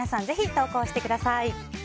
ぜひ投稿してください。